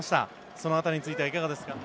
その辺りについてはいかがですか？